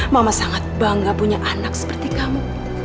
mama sangat bangga punya anak seperti kamu